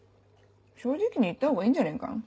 正直に言ったほうがいいんじゃねえか？